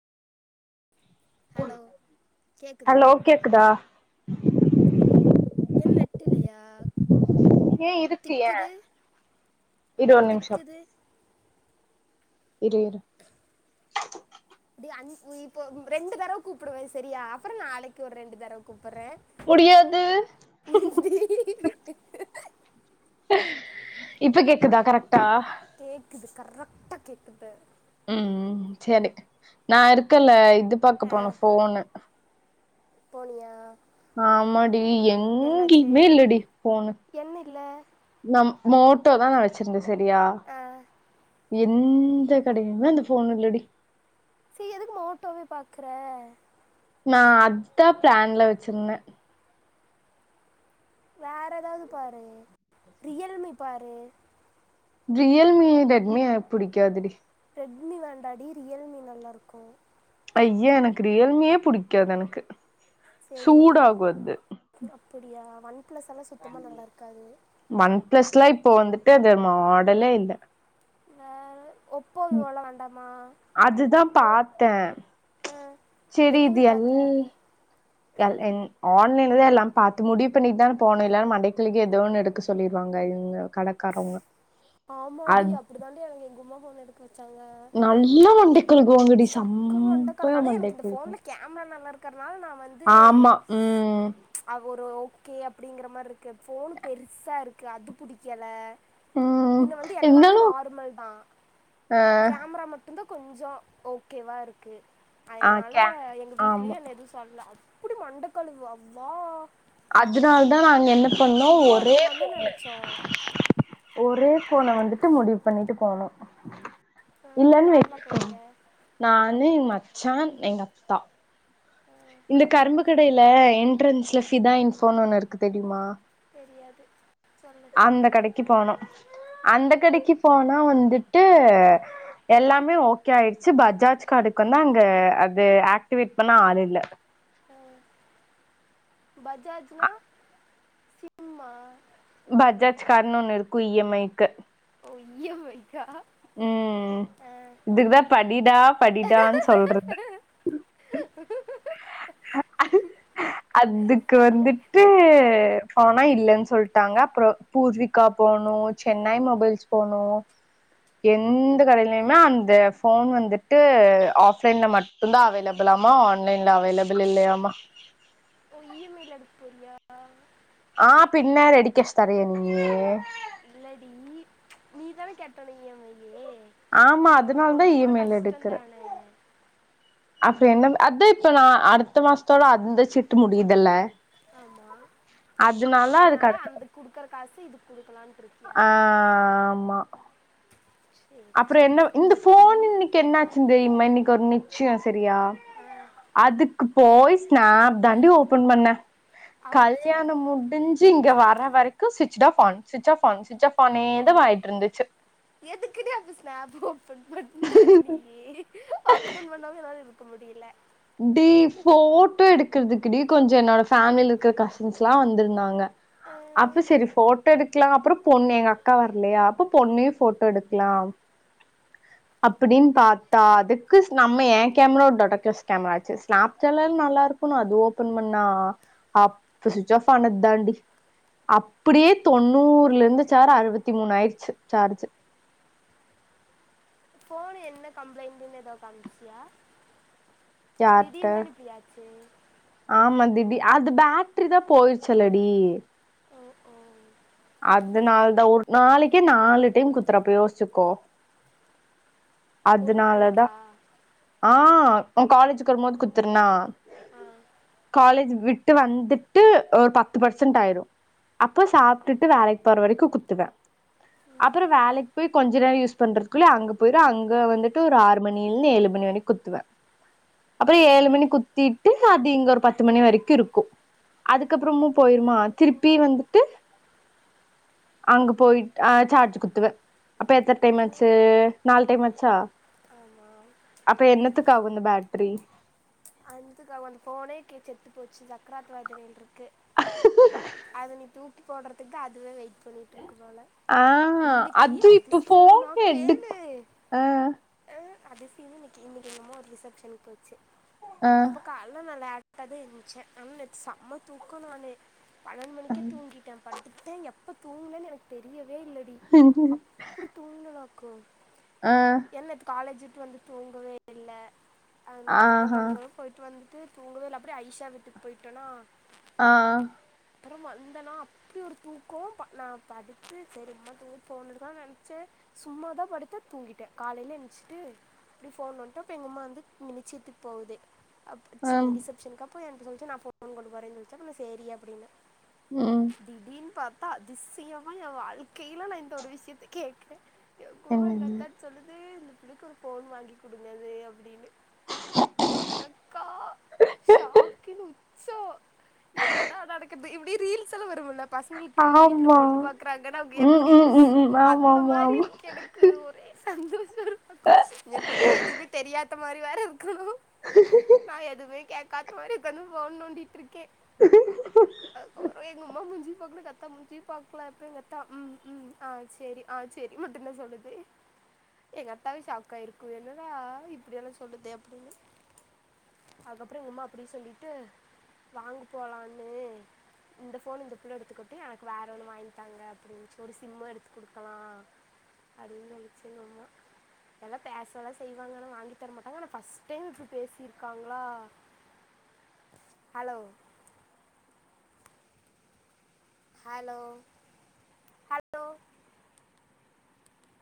hello கேட்குதா hello கேக்குதா ஓ என் நெட்டு இல்லையா ஏ இருக்கு ஏ திக்குது இரு ஒரு நிமிஷோ திக்குது இரு இரு டே அண் இப்போ ரெண்டு தடவ கூப்டுவே செரியா அப்றோம் நாளைக்கு ஒரு ரெண்டு தர்வ கூப்பேறே முடியாது இப்ப கேக்குதா கரெக்டா கேக்குது கரெக்டா கேக்குது உம் செர்க் நா இருக்கல்ல இது பாக்க ஆ போனோ ஃபோனு போனியா ஆமாடி என்னாச்சு எங்கேய்மே இல்லடி ஃபோனு என்ன இல்ல நம் மோட்டோதா நா வச்சிருந்தே செரியா ஆ எந்த கடையிலுமே அந்த ஃபோன் இல்லடி சே எதுக்கு மோட்டோவே பாக்குறே நா அத் தா பிளான்ல வச்சிருந்தே வேற எதாவது பாரு ரியல் மி பாரு ரியல் மி ரெட்மிய பிடிக்காது டி ரெட்மி வேண்டா டி ரியல் மி நல்லாருக்கு ஐயே எனக்கு ரியல்மியே பிடிக்காது எனக்கு செரி சூடாகு அது அப்டியா ஒன் பிளஸ் எல்லா சுத்தமாக நல்லா இருக்காது ஒன் பிளஸ்ல்லா இப்போ வந்துட்டு அது மாடலே இல்ல வேற ஒப்போ இதுவேல வேண்டாமா அதுதா பாத்தே ஆ செரி எங்கே இது போய் எல் பார்த்த எல் என் ஆன்லைன்ல தா எல்லா பாத்து முடிவ் பண்ணிட்டு தான போனே இல்லனா மண்டையக்கழுவி ஏதோ ஒன்னு எடுக்க சொ ல்லிருவாங்க இவ்ங்க கட ஆமாடி அப்டி தா டி எனக்கு எங்கொம்மா ஃபோன்ன எடுக்க வச்சாங்க நல்லா மண்டைக்கழுகுவாங்க டி சம் பய மண்டைய கழுவாங் கேம்மர் நல்லா இருக்கறனால நா வந் ஆமா உம் அகு ஒரு ஓகே அப்டிங்கற மாரி இருக்கு ஃபோன்னு பெருசா இருக்கு அது புடிக்கல்ல ம் பின்ன வந்து எல்லாமே இருந்தாலு நார்மல் தா ஆ கேம்ரா மட்டுதா கொஞ்சோ ஓகேவா இருக்கு ஆ அய்னால கே எங்க ஆமா வீட்லயு என்ன எது தொல்ல அப்டி மண்டக்கழுவா அவ்வா அதனால தா நாங்க என்ன பண்ணோ விவோ ஒரே எடுக்கலாம் தான் பொண்ணு நினச்சோம் ஒரே போன வந்துட்டு முடிவு பண்ணிட்டு போனோ இல்லன்னு யாரெல்லாம் வ போனீங்க நானு எங்க மச்சா எங்க அப்புதா ஆ, இந்த கரும்பு கடையில என்ட்ரன்ஸ்ல சிதாய்ன் போன்னு ஒண்ணு இருக்கு தெரியுமா தெரியாது சொல்லு அந்த கடைக்கு போனோ அந்த கடைக்கு போனா வந்துட்டு எல்லாமே ஓகே ஆயிடுச்சு பஜாஜ் கடைடுக்கு வந்தா அங்க அது ஆக்டிவேட் பண்ண ஆள் இல்ல ஆ பஜாஜ்னா சிம்மா பஜாஜ் காரண ஒண்ணு இருக்கு இ எம் ஐக்கு ஓ இ எம் ஐ கா ம் ம் இதுக்குதா படிடா படிடான்னு சொல்றது [inaudible] [inaudible] [inaudible] அதுக்கு வந்துட்டு பனோ இல்லன்னு சொல்ட்டாங்க அப்றோ பூசி க்கா போணு சென்னை மொபைல்ஸ் போணு எந்த கடையிலயுமே அந்த போன் வந்துட்டு ஆஃப்லைன்ல மட் ந்தா அவைலபிள் ஆமா ஆன்லைன்ல அவேலபிள் இல்லையாமா ஓ இ எம் யில எடுக்க போறியா ஆ ஆ பின்ன ரெடிகேஷ் தரியா நீ இல்லடி நீதானே கட்டனு இ எம் ஐ ஆமா அப்போ உனக்கு அதனால தா ஒண்ணு இ கூட எம் ஐ கஷ்டோ தானே அப்றோ என்ன அதா இப்ப நா அடுத்த மாசத்தோட அந்த சீட்டு முடியுதுல்ல ஆமா அதுக்கு அதனால அடுத்த அந்த குடுக்குற காசு இது குடுக்கலான்ட்டு இருக்கே ஆ ஆமா சரி அப்பறோ சரி என்ன இந்த இன்னைக்கு போன் இன்னைக்கு என்னாச்சுனு தெரியுமா இன்னைக்கு ஒரு நிச்சியோ செரியா அதுக்கு போய் ஸ்னாப் தாண்டி ஓபன் பண்ணே ஆஃப் ஆயிடுச்சா கல்யாணோ முடிஞ்சு இங்க வர்ற வரைக்கு சுவிட்ச் off on switch off on switch off ஆனே தா மாறிட்டு இருந்துச்சு எதுக்குடி அந்த ஸ்னாப்பு ஓபன் பண்ற நீ ஓபன் பண்ண இரு இப்ப முடியல டி போட்டோ எடுக்கறிறதுக்குடி கொஞ்சோ என்னோட ஃபேமிலில இருக்கிற கசின்ஸ் எல்லா வந்திருந்தாங்க அப்போ செரி போட்டோ எடுக்கலா அப்பறோ பொண்ணு எங்க அக்கா வர்லயா அப்ப பொண்ணையு போட்டோ எடுக்கலா அப்டின்னு பாத்தா அதுக்கு நம்ம எ கேமரா ஒரு டொடகஸ் கேமரா ஆச்சு ஸ்னாப்ஸ் எல்லா நல்லா இருக்கு அ அது ஓப்பன் பண்ணா அப்ப சுவிட்ச் ஆஃப் ஆன தாண்டி அப்டியே தொண்ணூறுல இருந்து சார் அறுபத்தி மூணு ஆயிருச்சு சார்ஜு போனு என்ன கம்ப்ளைண்டுன்னு ஏதோ காமிச்சிடியா யாத ஆச்சு ஆமா திடி அது பேட்ரி தா போயிருச்சலடி ஓ ஓ அதனால தா ஒரு நாளைக்கே நாலு டைம் குத்துறப்ப யோசிச்சுக்கோ ஒரு அதுனாலதா நாளைக்கா ஆ ஒ காலேஜுக்கு வரும் போது குத்துரனா ஆ காலேஜ் விட்டு வந்துட்டு ஒரு பத்து பர்சன்ட் ஆயிரு அப்போ சா சாப்டிட்டு வேலைக்கு போற வரைக்கு குத்துவே அப்புறோ வேலக்கு போய் கொஞ்ச நேரம் யூஸ் பண்றதுக்குள்ளே அங்க போயிரும் அங்க வந்துட்டு ஒரு ஆறு மணிலனு ஏழு மணி குத்துவ [inaudible] அப்புறோ ஏழு மணி குத்திட்டு அது இங்க ஒரு பத்து மணி வரக்கும் இருக்கு அதுக்கப்புறமும் போயிருமா திருப்பி வந்துட்டு அங்க போயிட்டு ஆ சார்ஜ் குத்துவேன் அப்ப எத்தனை டைம் ஆச்சு நாலு டைம் ஆச்சா ஆமா அப்ப என்னத்துக்கு ஆகு இந்த பேட்டரி அதுக்குந்த போனே செத்து போச்சு சக்கராத்துவாத இருக்கு இருக்கு அது நீ தூக்கி போடுறதுக்கு தான் அதுவே வெயிட் பண்ணிட்டு இருக்கு போல ஆ இன்னைக்கு அது இப்ப ஃபோன் அதிசயமா எடு கேளு ஆ ஆன் அது சீனு இன்னக்கு இன்னக்கு மாமா ரிசப்ஷனுக்கு வச்சு ஆ அப்போ கால்ல நா லேட்டாதான் எந்ச்சேன் ஆனா நேத் செம்ம தூக்கம் நானு பன்னெண்டு மணிக்கே தூங்கிட்டேன் பட்டுட்டேன் எப்ப தூங்கனனு எனக்கு தெரியவே இல்லடி [unintelligible] எப்டி தூங்குனனாக்கும் ஆ ஏன்னா நேத் காலேஜூட்டு வந்து தூங்கவே இல்லல அதனால நம்ம ஆஹா அங்க போய்ட்டு வந்துட்டு தூங்கவே இல்ல அப்டியே அயிஷா வீட்க்கு போய்ட்டனா ஆ அப்றோ வந்தனா அப்டி ஒரு தூக்கோ நான் படுத்து சரிம்மா தூங்க போவுதுன் நெனச்சே சும்மாதான் படுத்த தூங்கிட்டேன் காலல எந்ச்சிட்டு அப்டி ஃபோன் வன்ட்ட இப்போ எங்கம்மா வந்து நிச்சியத்துக்கு போவுது அப் சீ ம் ரிசப்ஷனுக் அப்போ என்ட்ட சொல்ச்சி நான் ஃபோன் கொண்டு போரேன்னு சொல்ச்சி நா சேரி அப்டின்ன ம் திடீனு பாத்தா அதிசயமா என் வாழ்க்கயில நான் இந்த ஒரு விஷயத்த கேக்றேன் எப்பவுமே என்னது அத்தாச் சொல்லுது இந்த பிள்ளக்கு ஒரு ஃபோன் வாங்கி கொடுங்கன்னு அப்டின்னு எனக்கா ஷாக்கிங் உச்சோ என்னடா நடக்குது இப்டி ரீல்ஸ் ஸா வரும்ல பசங்களுக்கு வீட்ல ஆமா பொண்ணு பாக்கராங்கன்னா அவுங்க ம் எப்டி ம் ஸ் ம் ம் ஆமா அந்த ஆமா மாதிரி ஆமா இருக்கு எனக் கு ஒரே சந்தோஷம் ஒரு பக்கம் ஒரு பக்கம் எதுமே தெரியாத மாரி வேற இருக்கணு நான் எதுமே கேக்காத மாரி உக்காந்து போன் நோண்டிட் இருக் கேன் அதுக்கப்றோ எங்க அம்மா மூஞ்சி பாக்கனு எங்ககத்தா மூஞ்சி பாக்கலாம் இப்ப எங்கத்தா ம் ம் ஆ செரி ஆ செரி மட்டுந் தான் சொல்லுது எங்க அத்தாவே ஷாக்கா ஆயிருக்கு என்னடா இப்டியெல்லாம் சொல்லுதே அப்டின்னு அதுக்கப்றோ எங்கம்மா அப்டி சொல்லிட்டு வாங்க போலான்னு இந்த போன இந்த புள்ள எடுத்துக்குட்டு எனக்கு வேற ஒன்னு வாங்கித் தாங்க அப்டின்னுச்சு ஒரு சிம்ம எடுத்து குடுக்கலா அது மேரி சொல்லுச்சி எங்கம்மா எல்லாம் பேச தான் செய்வாங்க ஆனா வாங்கி தர மாட்டாங்க ஆனா பஸ்ட் டைம் இப்ப பேசி இருக் ருக்காங்களா ஹலோ ஹலோ ஹலோ